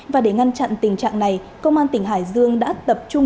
và để ngăn chặn tình trạng này công an tỉnh hải dương đã tập trung